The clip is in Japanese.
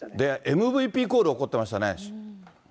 ＭＶＰコール起こってましたね。